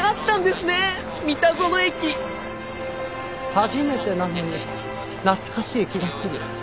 初めてなのに懐かしい気がする。